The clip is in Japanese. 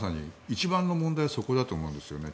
一番の問題はそこだと思うんですね。